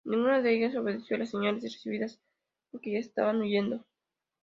Ninguna de ellas obedeció las señales recibidas, porque ya estaban huyendo.